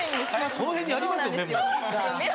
その辺にありますよメモ。